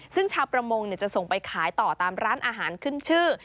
ซึ่งชาวประมงจะส่งไปขายต่อตามร้านอาหารขึ้นชื่อ